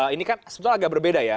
ini kan sebetulnya agak berbeda ya